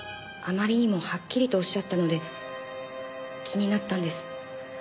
あまりにもはっきりとおっしゃったので気になったんです。